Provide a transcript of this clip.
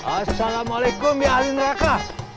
assalamualaikum ya ahli neraka